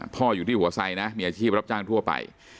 พ่ออยู่ที่หัวไซนะมีอาชีพรับจ้างทั่วไป